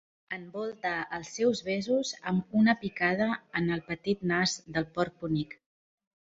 Envolta els seus besos amb una picada en el petit nas del porc bonic.